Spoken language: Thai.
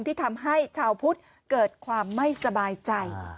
ที่ทำให้ชาวพุทธเกิดความไม่สบายใจ